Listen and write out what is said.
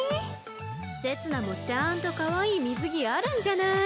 せつ菜もちゃんとかわいい水着あるんじゃない。